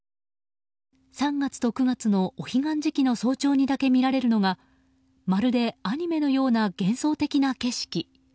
３月と９月のお彼岸時期の早朝にだけ見られるのがまるでアニメのような幻想的な景色。